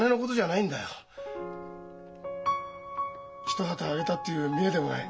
「一旗揚げた」っていう見えでもない。